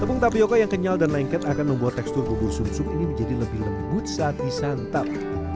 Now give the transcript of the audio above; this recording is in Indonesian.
tepung tapioca yang kenyal dan lengket akan membuat tekstur bubur sum sum ini menjadi lebih lembut saat disantap